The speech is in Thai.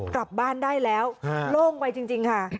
กลับบ้านได้แล้วโล่งไปจริงค่ะ